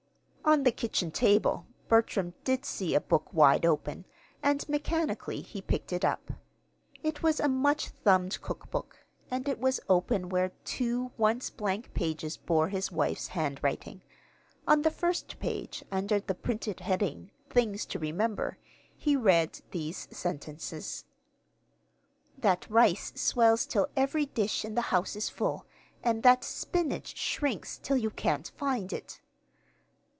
On the kitchen table Bertram did see a book wide open, and, mechanically, he picked it up. It was a much thumbed cookbook, and it was open where two once blank pages bore his wife's handwriting. On the first page, under the printed heading "Things to Remember," he read these sentences: "That rice swells till every dish in the house is full, and that spinach shrinks till you can't find it.